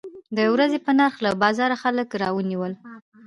د ورځې په نرخ له بازاره خلک راونیول.